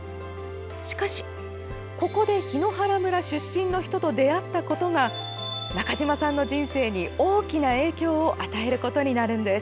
しかし、ここで檜原村出身の人と出会ったことが中島さんの人生に大きな影響を与えることになるんです。